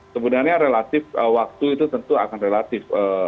kemudiannya waktu itu tentu akan relatif